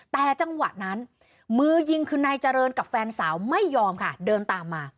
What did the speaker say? แต่จังหวะนั้นมือยิงคือนายเจริญกับแฟนสาวไม่ยอมค่ะเดินตามมา